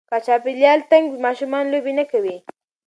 که چاپېریال تنګ وي، ماشومان لوبې نه کوي.